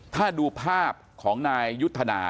ถ้าดูภาพของนายยุทธนา